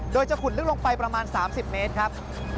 โดยจะขุดลึกลงไปประมาณ๓๐เมตรครับ